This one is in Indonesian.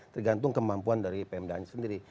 tergantung kemampuan dari pmd annya sendiri